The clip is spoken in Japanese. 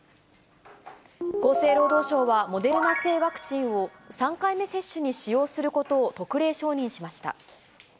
厚生労働省は、モデルナ製ワクチンを３回目接種に使用することを特例承認しました。